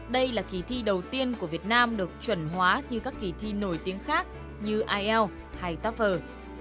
đây là kỳ thi đầu tiên của việt nam được chuẩn hóa như các kỳ thi nổi tiếng khác như ielts hay tác phẩm